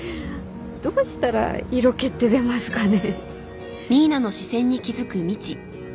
どうしたら色気って出ますかね。